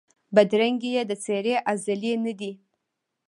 بدرنګي یې د څېرې ازلي نه ده